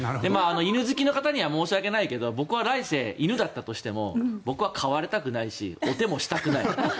犬好きの方には申し訳ないけど僕は来世犬だったとしても僕は飼われたくないしお手もしたくない。